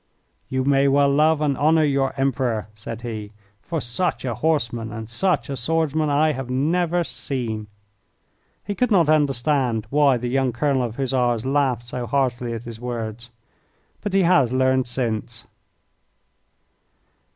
"You may well love and honour your Emperor," said he, "for such a horseman and such a swordsman I have never seen." He could not understand why the young colonel of Hussars laughed so heartily at his words but he has learned since.